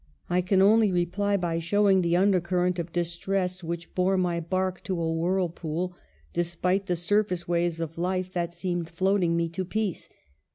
I can only reply by showing the undercurrent of distress which bore my bark to a whirlpool, de spite the surface waves of life that seemed float ing me to peace.